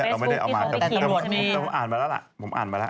เราไม่ได้เอามาแต่ผมอ่านมาแล้วล่ะ